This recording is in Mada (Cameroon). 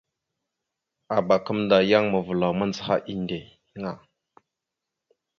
Abak gamənda yan mavəlaw mandzəha endeŋa.